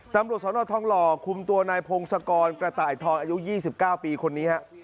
ตำรวจสนทองหล่อคุมตัวนายพงศกรกระต่ายทองอายุ๒๙ปีคนนี้ฮะ